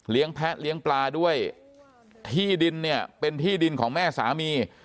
แพะเลี้ยงปลาด้วยที่ดินเนี่ยเป็นที่ดินของแม่สามี